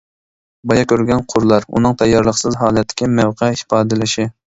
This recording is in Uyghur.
بايا كۆرگەن قۇرلار، ئۇنىڭ تەييارلىقسىز ھالەتتىكى مەۋقە ئىپادىلىشى.